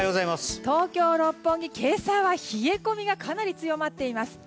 東京・六本木、今朝は冷え込みがかなり強まっています。